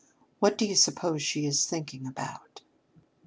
What do you suppose she is thinking about?"